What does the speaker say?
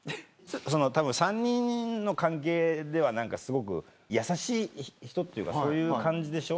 たぶん３人の関係では何かすごく優しい人っていうかそういう感じでしょ？